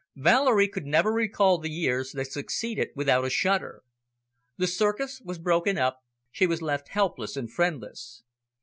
Valerie could never recall the years that succeeded without a shudder. The circus was broken up, she was left helpless and friendless.